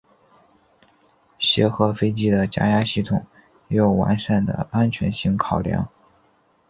协和飞机的加压系统也有完善的安全性考量。